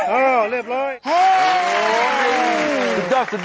เออเล็บเลย